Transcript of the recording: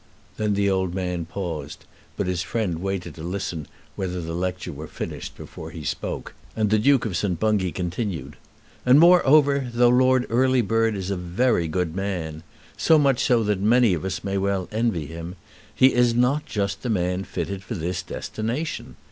Then the old man paused, but his friend waited to listen whether the lecture were finished before he spoke, and the Duke of St. Bungay continued. "And, moreover, though Lord Earlybird is a very good man, so much so that many of us may well envy him, he is not just the man fitted for this destination.